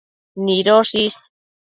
nidosh is